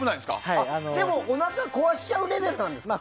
でも、おなか壊しちゃうレベルなんですね。